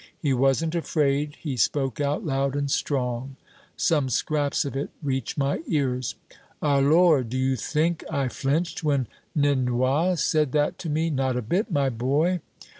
He wasn't afraid, he spoke out loud and strong! Some scraps of it reach my ears "Alors, d'you think I flinched when Nenoeil said that to me? Not a bit, my boy.